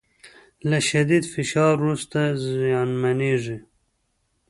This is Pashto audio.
له شدید فشار وروسته زیانمنېږي